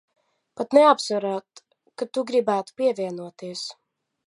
Pat neapsverot, ka tu gribētu pievienoties.